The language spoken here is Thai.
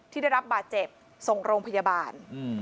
ที่ได้รับบาดเจ็บส่งโรงพยาบาล